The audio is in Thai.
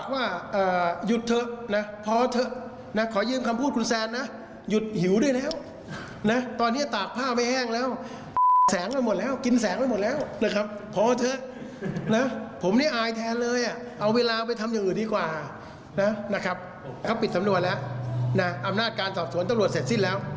เขาปิดสำนวนแล้วอำนาจการสอบสวนต้องรวจเสร็จสิ้นแล้ว